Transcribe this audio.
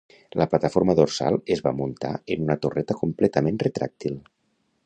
La plataforma dorsal es va muntar en una torreta completament retràctil.